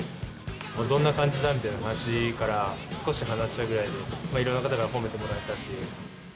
どんな感じだみたいな話から、少し話したくらいで、いろんな方から褒めてもらえたっていう。